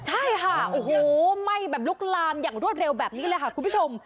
ใช่ค่ะโอ้โหไหม้แบบลุกลามอย่างรวดเร็วแบบนี้เลยค่ะคุณผู้ชม